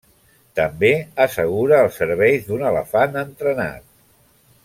També assegura els serveis d'un elefant entrenat.